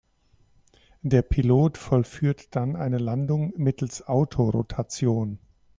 Der Pilot vollführt dann eine Landung mittels Autorotation.